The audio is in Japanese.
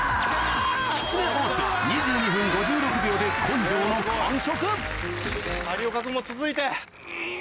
きつね・大津２２分５６秒で根性の完食